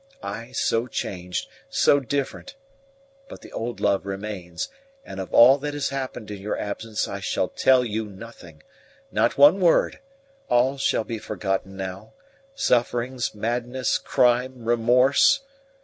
I so changed so different! But the old love remains; and of all that has happened in your absence I shall tell you nothing not one word; all shall be forgotten now sufferings, madness, crime, remorse!